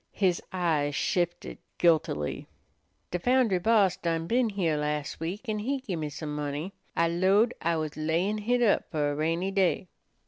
His eyes shifted guiltily. "De foundry boss done been heah las' week, an' he gimme some money. I 'lowed I was layin' hit up fer a rainy day."